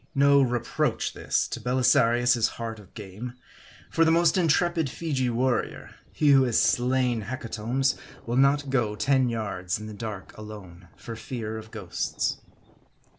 No reproach this, to Belisarius' heart of game ; for the most intrepid Feegee warrior, he who has slain his hecatombs, will not go ten yards in the dark alone, for fear of ghosts.